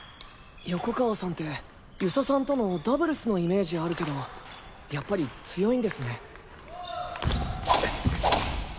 横川さんて遊佐さんとのダブルスのイメージあるけどやっぱり強いんですね。